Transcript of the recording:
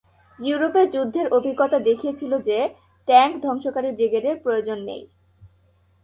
ইউরোপে যুদ্ধের অভিজ্ঞতা দেখিয়েছিল যে ট্যাঙ্ক ধ্বংসকারী ব্রিগেডের প্রয়োজন নেই।